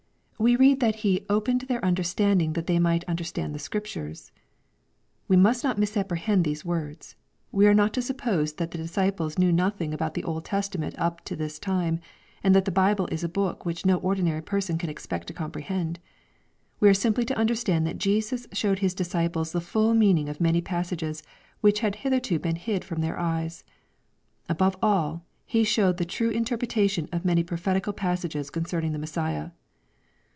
We read that He ^' opened their un derstanding that they might understand the Scriptures/' We must not misapprehend these words. We are not to suppose that the disciples knew nothing about the Old Testament up to this time, and that the Bible is a book which no ordinary person can expect to compre hend. We are simply to understand that Jesus showed His disciples the full meaning of many passages which had hitherto been hid from their eyes. Above all,. He showed the true interpretation of many prophetical pas sages concerning the Messiah.